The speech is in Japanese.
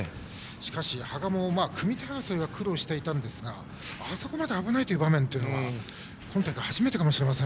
しかし羽賀も組み手争いは苦労していましたがあそこまで危ない場面というのは今大会、初めてかもしれません。